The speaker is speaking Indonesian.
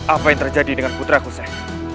apa yang terjadi dengan putraku saya